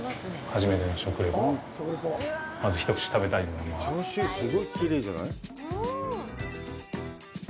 まず一口、食べたいと思います。